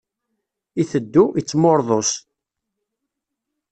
Iteddu, ittmuṛḍus.